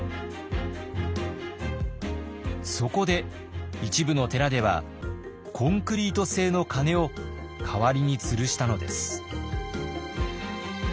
そこで一部の寺ではコンクリート製の鐘を代わりにつるしたのです。